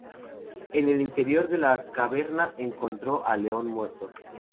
En el interior de la caverna encontró al león muerto.